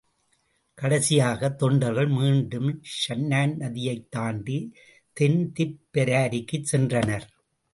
கடைசியாகத் தொண்டார்கள் மீண்டும் ஷன்னான் நதியைத் தாண்டித் தென்திப்பெரரிக்குச் சென்றனர்.